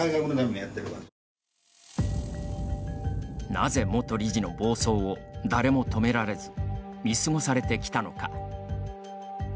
なぜ元理事の暴走を誰も止められず見過ごされてきたのか。